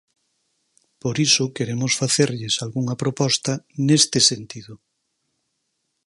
Por iso queremos facerlles algunha proposta neste sentido.